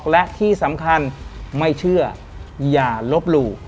และที่สำคัญไม่เชื่ออย่าลบหลู่